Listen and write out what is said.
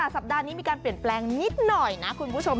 สัปดาห์นี้มีการเปลี่ยนแปลงนิดหน่อยนะคุณผู้ชม